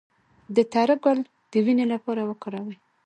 د تره ګل د وینې لپاره وکاروئ